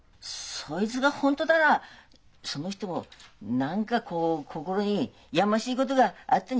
そいつが本当だらその人も何かこう心にやましいことがあったに違いねえべよ。